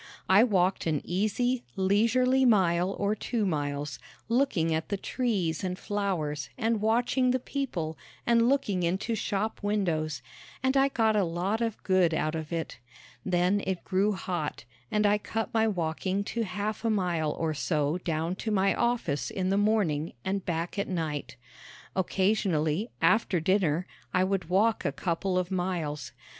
I walked an easy, leisurely mile or two miles, looking at the trees and flowers and watching the people and looking into shop windows, and I got a lot of good out of it. Then it grew hot, and I cut my walking to half a mile or so down to my office in the morning and back at night. Occasionally, after dinner, I would walk a couple of miles.